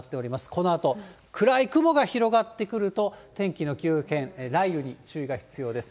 このあと、暗い雲が広がってくると、天気の急変、雷雨に注意が必要です。